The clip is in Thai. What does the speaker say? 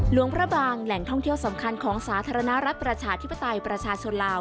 หลวงพระบางแหล่งท่องเที่ยวสำคัญของสาธารณรัฐประชาธิปไตยประชาชนลาว